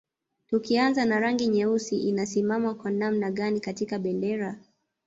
Tukianza na rangi nyeusi inasimama kwa namna gani katika bendera